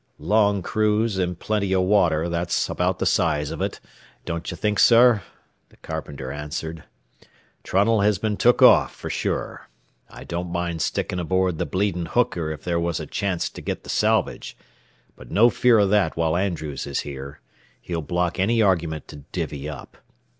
"Long cruise an' plenty o' water, that's about th' size av ut, don't ye think, sir?" the carpenter answered. "Trunnell has been took off, fer sure. I don't mind stickin' aboard th' bleedin' hooker if there was a chanst to get th' salvage; but no fear o' that while Andrews is here. He'll block any argument to divvy up.